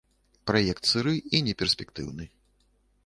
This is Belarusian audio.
Праект сыры і неперспектыўны.